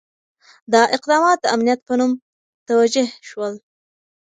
دا اقدامات د امنیت په نوم توجیه شول.